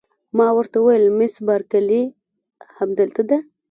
ما ورته وویل: مس بارکلي همدلته ده؟